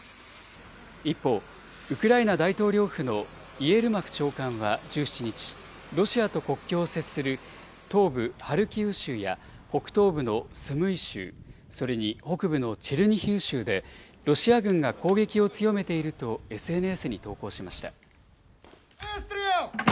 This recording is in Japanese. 一方、ウクライナ大統領府のイエルマク長官は１７日、ロシアと国境を接する東部ハルキウ州や、北東部のスムイ州、それに北部のチェルニヒウ州でロシア軍が攻撃を強めているとＳＮＳに投稿しました。